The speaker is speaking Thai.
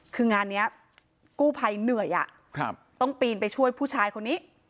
คืองานนี้กู้ภัยเหนื่อยต้องปีนไปช่วยผู้ชายคนนี้